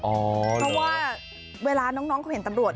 เพราะว่าเวลาน้องเขาเห็นตำรวจ